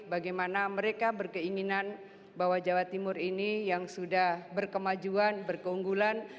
bagaimana mereka berkeinginan bahwa jawa timur ini yang sudah berkemajuan berkeunggulan